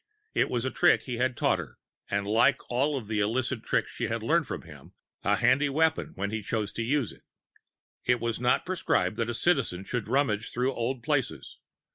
It was a trick he had taught her, and like all of the illicit tricks she had learned from him, a handy weapon when he chose to use it. It was not prescribed that a Citizen should rummage through Old Places.